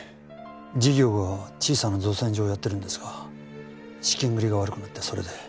事業が小さな造船所をやってるんですが資金繰りが悪くなってそれで。